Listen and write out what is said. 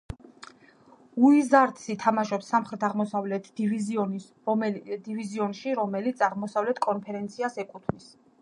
უიზარდსი თამაშობს სამხრეთ-აღმოსავლეთ დივიზიონში, რომელიც აღმოსავლეთ კონფერენციას ეკუთვნის.